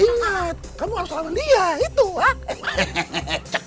ingat kamu harus lawan dia itu wak